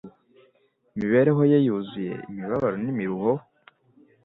Imibereho ye yuzuye imibabaro n'imiruho;